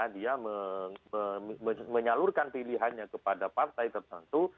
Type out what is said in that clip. dia menyalurkan pilihannya kepada partai tertentu